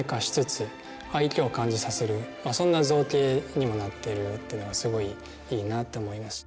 にもなってるっていうのがすごいいいなと思います。